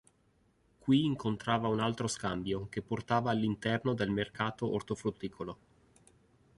Qui incontrava un altro scambio che portava all'interno del mercato ortofrutticolo.